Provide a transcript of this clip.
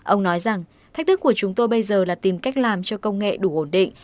ông nói rằng thách thức của chúng tôi bây giờ là tìm cách làm cho công nghệ đủ ổn định